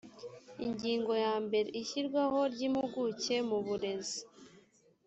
ingingo ya mbere ishyirwaho ry impuguke mu burezi